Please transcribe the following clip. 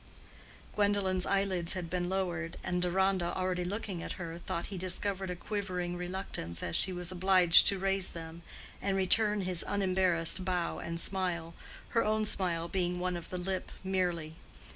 Gwendolen's eyelids had been lowered, and Deronda, already looking at her, thought he discovered a quivering reluctance as she was obliged to raise them and return his unembarrassed bow and smile, her own smile being one of the lip merely.